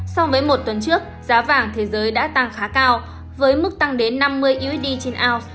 so với một tuần trước giá vàng thế giới đã tăng khá cao với mức tăng đến năm mươi usd trên ounce